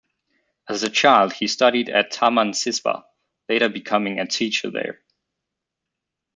As a child, he studied at Taman Siswa, later becoming a teacher there.